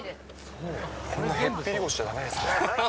こんなへっぴり腰じゃだめですね。